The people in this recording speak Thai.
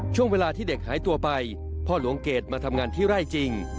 ช่วงเวลาที่เด็กหายตัวไปพ่อหลวงเกรดมาทำงานที่ไร่จริง